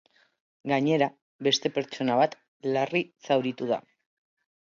Gainera, beste pertsona bat larri zauritu da.